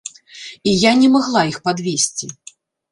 І я не магла іх падвесці.